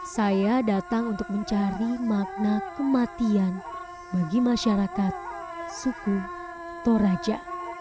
saya datang untuk mencari makna kematian bagi masyarakat suku toraja